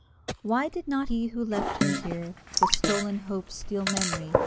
Why did not he who left me here, With stolen hope steal memory?